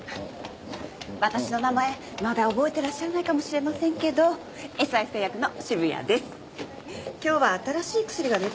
私の名前まだ覚えてらっしゃらないかもしれませんけどエスアイ製薬の渋谷です。